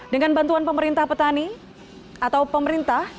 dengan bantuan pemerintah petani atau pemerintah